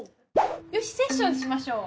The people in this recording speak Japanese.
よしセッションしましょう！